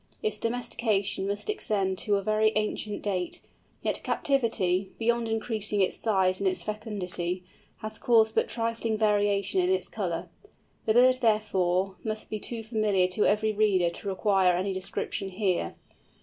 Its domestication must extend to a very ancient date; yet captivity, beyond increasing its size and its fecundity, has caused but trifling variation in its colour. The bird, therefore, must be too familiar to every reader to require any description here.